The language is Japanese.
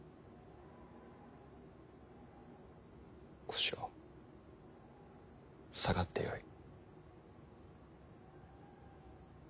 小四郎下がってよい。